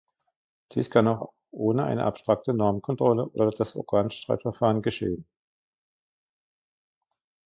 Dies kann auch ohne eine abstrakte Normenkontrolle oder das Organstreitverfahren geschehen.